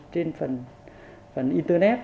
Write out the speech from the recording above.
trên phần internet